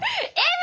Ｍ？